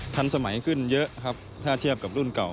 ทันสมัยขึ้นเยอะครับถ้าเทียบกับรุ่นเก่า